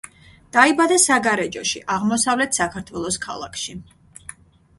დაიბადა საგარეჯოში, აღმოსავლეთ საქართველოს ქალაქში.